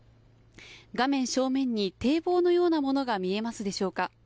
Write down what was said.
画面正面に堤防のようなものが見えますでしょうか。